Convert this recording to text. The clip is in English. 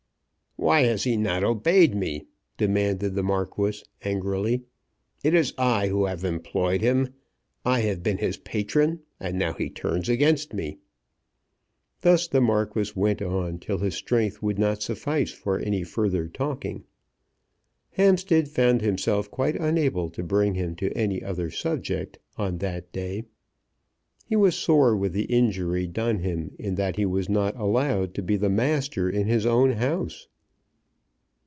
"Why has he not obeyed me?" demanded the Marquis, angrily. "It is I who have employed him. I have been his patron, and now he turns against me." Thus the Marquis went on till his strength would not suffice for any further talking. Hampstead found himself quite unable to bring him to any other subject on that day. He was sore with the injury done him in that he was not allowed to be the master in his own house.